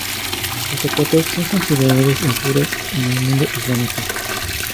Los zapatos son considerados impuros en el mundo islámico.